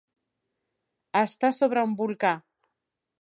Estar sobre un volcà.